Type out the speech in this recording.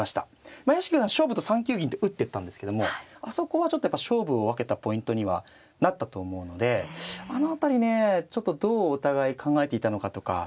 まあ屋敷九段勝負と３九銀って打ってったんですけどもあそこはちょっとやっぱ勝負を分けたポイントにはなったと思うのであの辺りねちょっとどうお互い考えていたのかとか。